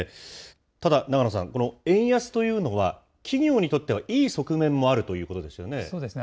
ただ永野さん、この円安というのは企業にとってはいい側面もあるということですそうですね。